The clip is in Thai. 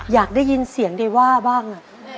อยากได้ยินเสียงใดว่าบ้าง